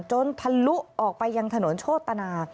ทะลุออกไปยังถนนโชตนา